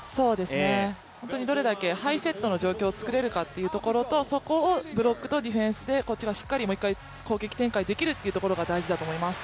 本当にどれだけハイセットの状況を作れるかというところとそこをブロックとディフェンスでこっちがもう一度攻撃展開できるかっていうのが大事だと思います。